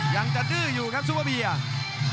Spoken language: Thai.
ยังจะดื้ออยู่ครับซูเปอร์เบียร์